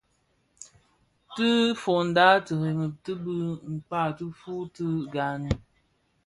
Ti foňdak tiremi bi bë nkak tifuu ti gani.